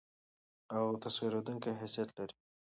او تسخېرېدونکى حيثيت لري.